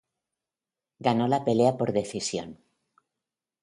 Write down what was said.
Ganó la pelea por decisión.